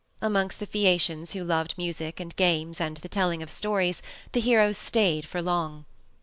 Amongst the Phaeacians who loved music and games and the telling of stories the heroes stayed for long.